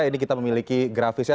ini kita memiliki grafisnya